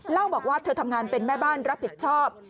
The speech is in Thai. เล่าบอกว่าเธอทำงานเป็นแม่บ้านรับผิดชอบ